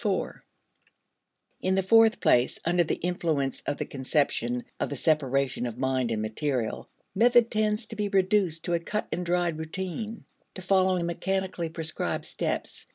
(iv) In the fourth place, under the influence of the conception of the separation of mind and material, method tends to be reduced to a cut and dried routine, to following mechanically prescribed steps.